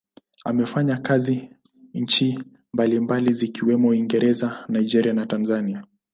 Amefanya kazi nchi mbalimbali zikiwemo Uingereza, Nigeria na Tanzania.